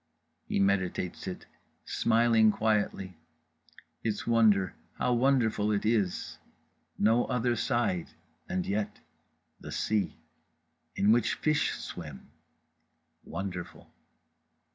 —He meditates it, smiling quietly; its wonder, how wonderful it is, no other side, and yet—the sea. In which fish swim. Wonderful.